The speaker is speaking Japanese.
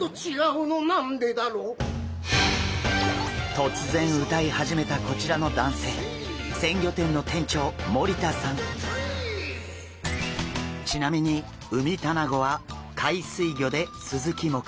突然歌い始めたこちらの男性ちなみにウミタナゴは海水魚でスズキ目。